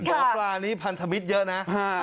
หมอปลานี้พันธมิตรเยอะนะ